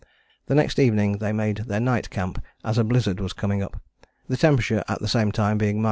The next evening they made their night camp as a blizzard was coming up, the temperature at the same time being 34.